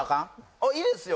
あっいいですよ